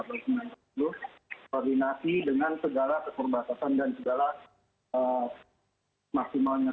itu koordinasi dengan segala kesempatan dan segala maksimalnya